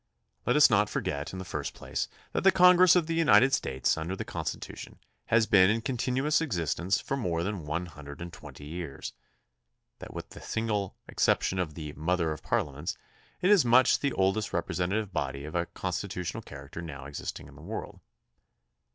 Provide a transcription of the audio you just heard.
Let us not for get, in the first place, that the Congress of the United States under the Constitution has been in continuous 62 THE CONSTITUTION AND ITS MAKERS existence for more than one hundred and twenty years; that with the single exception of the " Mother of Par liaments" it is much the oldest representative body of a constitutional character now existing in the world.